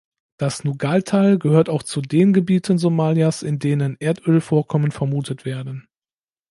Das Nugaal-Tal gehört auch zu den Gebieten Somalias, in denen Erdölvorkommen vermutet werden.